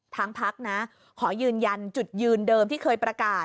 พักนะขอยืนยันจุดยืนเดิมที่เคยประกาศ